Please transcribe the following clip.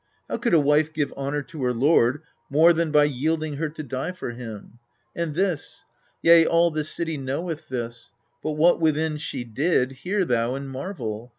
How could a wife give honour to her lord More than by yielding her to die for him? And this yea, all the city knoweth this. But what within she did, hear thou, and marvel.